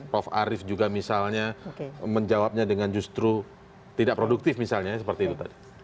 prof arief juga misalnya menjawabnya dengan justru tidak produktif misalnya seperti itu tadi